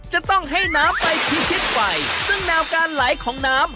จะต้องให้น้ำไปพิชิดไฟซึ่งแนวการไหลของน้ำ